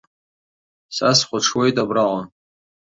Са схәаҽуеит абраҟа.